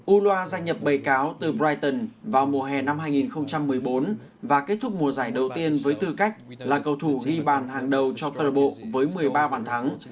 uloa gia nhập bày cáo từ brighton vào mùa hè năm hai nghìn một mươi bốn và kết thúc mùa giải đầu tiên với tư cách là cầu thủ ghi bàn hàng đầu cho cơ đội bộ với một mươi ba bàn thắng